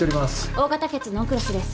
Ｏ型血ノンクロスです。